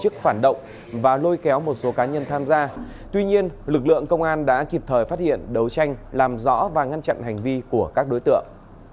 cơ quan cảnh sát điều tra đã kịp thời phát hiện đấu tranh làm rõ và ngăn chặn hành vi của các đối tượng